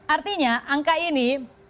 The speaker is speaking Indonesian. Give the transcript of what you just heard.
artinya angka ini